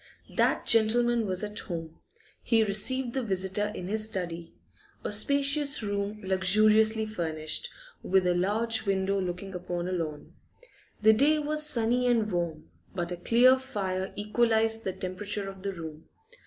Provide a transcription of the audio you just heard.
That gentleman was at home; he received the visitor in his study a spacious room luxuriously furnished, with a large window looking upon a lawn. The day was sunny and warm, but a clear fire equalised the temperature of the room.